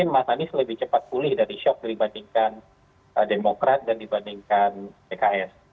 mas anies lebih cepat pulih dari shock dibandingkan demokrat dan dibandingkan pks